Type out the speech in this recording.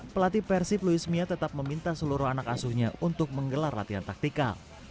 pelatih persib luis mia tetap meminta seluruh anak asuhnya untuk menggelar latihan taktikal